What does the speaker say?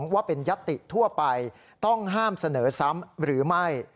ว่าเป็นยัตติทั่วไปต้องห้ามเสนอซ้ำหรือไม่